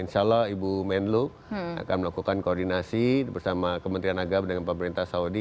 insya allah ibu menlo akan melakukan koordinasi bersama kementerian agama dengan pemerintah saudi